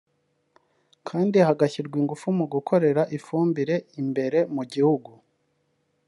kandi hagashyirwa ingufu mu gukorera ifumbire imbere mu gihugu